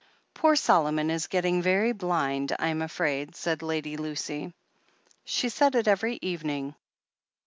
"Poor Solomon is getting very blind, I'm afraid," said Lady Lucy. She said it every evening.